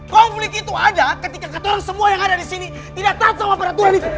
konflik itu ada ketika kata orang semua yang ada disini tidak taat sama peraturan itu